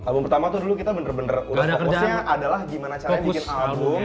album pertama tuh dulu kita bener bener udah fokusnya adalah gimana caranya bikin album